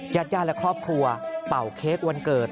ญาติญาติและครอบครัวเป่าเค้กวันเกิด